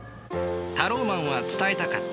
タローマンは伝えたかった。